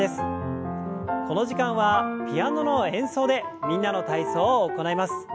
この時間はピアノの演奏で「みんなの体操」を行います。